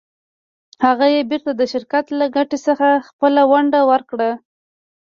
هغه یې بېرته د شرکت له ګټې څخه خپله ونډه ورکړه.